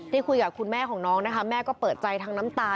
คุยกับคุณแม่ของน้องนะคะแม่ก็เปิดใจทั้งน้ำตา